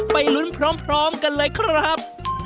ไปลุ้นพร้อมกันเลยครับ